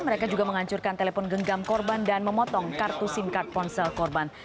mereka juga menghancurkan telepon genggam korban dan memotong kartu sim card ponsel korban